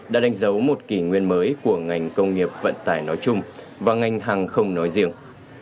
đã đánh dấu một kỷ nguyên mới của ngành công nghiệp vận tải nói chung và ngành hàng không nói riêng